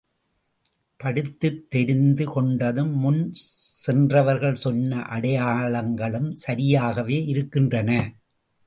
படித்துத் தெரிந்து கொண்டதும், முன் சென்றவர்கள் சொன்ன அடையாளங்களும் சரியாகவே இருக்கின்றன.